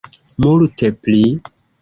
Multe pli.